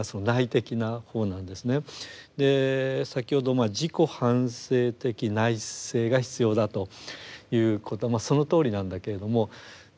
先ほど自己反省的内省が必要だということはまあそのとおりなんだけれどもじゃ